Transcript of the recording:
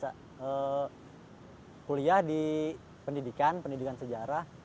saya kuliah di pendidikan pendidikan sejarah